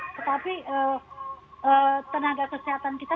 tetapi tenaga kesehatan kita